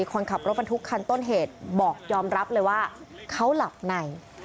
คนขับรถบรรทุกคันต้นเหตุบอกยอมรับเลยว่าเขาหลับใน